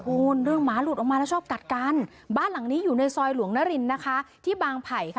คุณเรื่องหมาหลุดออกมาแล้วชอบกัดกันบ้านหลังนี้อยู่ในซอยหลวงนรินนะคะที่บางไผ่ค่ะ